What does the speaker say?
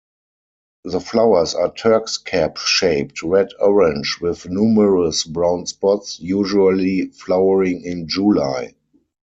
The flowers are Turk's-cap shaped, red-orange, with numerous brown spots, usually flowering in July.